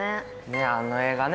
ねっあの映画ね。